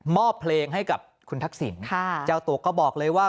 มอบเพลงให้กับคุณทักศิลป์จะตวกก็บอกเลยว่า